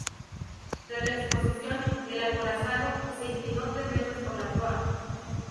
Tras la explosión, el acorazado se inclinó tres metros por la proa.